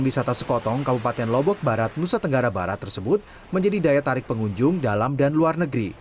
wisata sekotong kabupaten lombok barat nusa tenggara barat tersebut menjadi daya tarik pengunjung dalam dan luar negeri